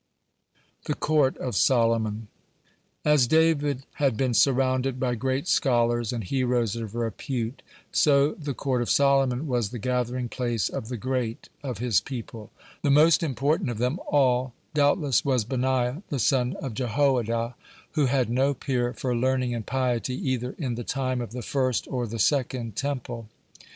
(93) THE COURT OF SOLOMON As David had been surrounded by great scholars and heroes of repute, so the court of Solomon was the gathering place of the great of his people. The most important of them all doubtless was Benaiah the son of Jehoiada, who had no peer for learning and piety either in the time of the first or the second Temple.